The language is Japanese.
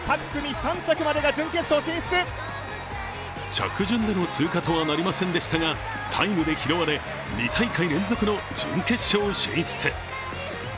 着順での通過とはなりませんでしたが、タイムで拾われ、２大会連続の準決勝進出。